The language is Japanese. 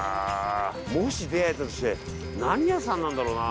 もし出会えたとして何屋さんなんだろうな。